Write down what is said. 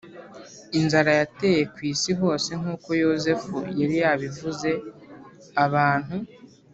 inzara yateye ku isi hose nk uko Yozefu yari yarabivuze Abantu